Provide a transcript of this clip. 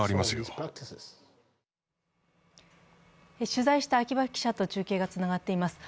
取材した秋場記者と中継がつながっています。